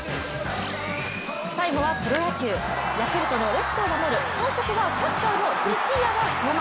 最後はプロ野球ヤクルトのレフトを守る本職はキャッチャーの内山壮真。